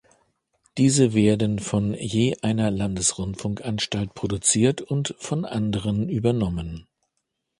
Diese werden von je einer Landesrundfunkanstalt produziert und von anderen übernommen.